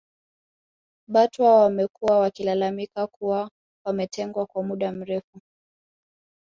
Batwa wamekuwa wakilalamika kuwa wametengwa kwa muda mrefu